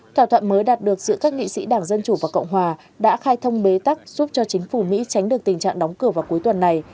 thỏa thuận mới đạt được giữa các nghị sĩ đảng dân chủ và cộng hòa đã khai thông bế tắc giúp cho chính phủ mỹ tránh được tình trạng đóng cửa vào cuối tuần này